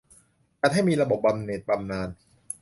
จัดให้มีระบบบำเหน็จบำนาญ